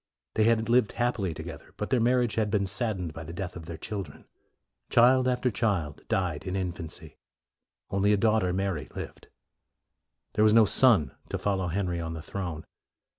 They had lived happily together, but their mar riage had been saddened by the death of their children. Child after child died in 36 MORE infancy; only a daughter, Mary, lived. There was no son to follow Henry on the throne.